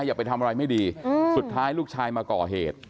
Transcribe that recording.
อย่าไปทำอะไรไม่ดีสุดท้ายลูกชายมาก่อเหตุ